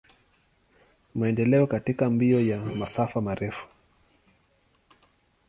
Maendeleo katika mbio ya masafa marefu.